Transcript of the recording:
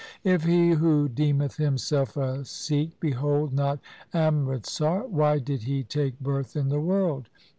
If he who deemeth himself a Sikh behold not Amritsar, why did he take birth in the world